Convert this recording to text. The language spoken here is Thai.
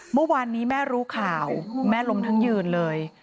เมื่อวานนี้แม่รู้ข่าวแม่ล้มทั้งยืนเลย